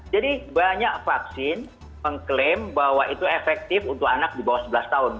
jadi banyak vaksin mengklaim bahwa itu efektif untuk anak di bawah sebelas tahun